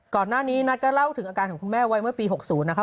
ก่อนหน้านี้นัทก็เล่าถึงอาการของคุณแม่ไว้เมื่อปี๖๐นะคะ